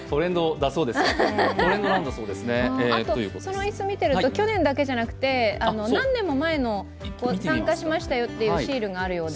あとその椅子を見ていると去年だけじゃなくて、何年も前の参加しましたよというシールがあるようで。